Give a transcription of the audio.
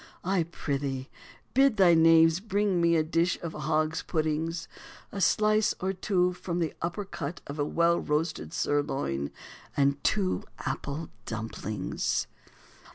I prithee bid thy knaves bring me a dish of hog's puddings, a slice or two from the upper cut of a well roasted sirloin, and two apple dumplings."